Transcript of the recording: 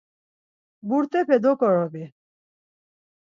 Burtepe doǩorobi!”